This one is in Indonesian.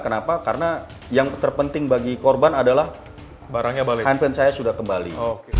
kenapa karena yang terpenting bagi korban adalah handphone saya sudah kembali